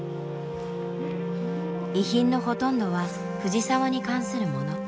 遺品のほとんどは藤澤に関するもの。